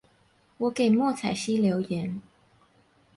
我給莫彩曦留言